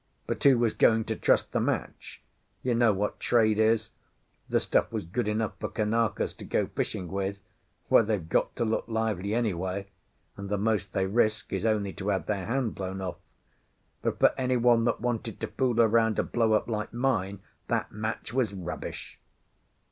But who was going to trust the match? You know what trade is. The stuff was good enough for Kanakas to go fishing with, where they've got to look lively anyway, and the most they risk is only to have their hand blown off. But for anyone that wanted to fool around a blow up like mine that match was rubbish.